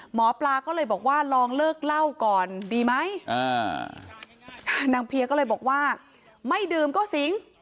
เหล่าก็เลยบอกว่าไม่ดื่มก็สิง